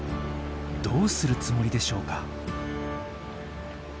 どうするつもりでしょうか？